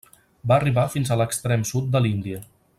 Va arribar fins a l'extrem sud de l'Índia.